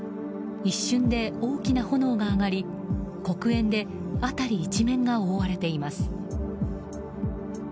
一瞬で大きな炎が上がり黒煙で辺り一面が覆われています。